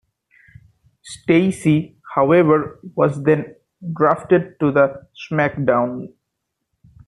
Stacy, however, was then drafted to the SmackDown!